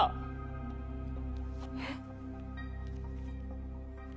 えっ？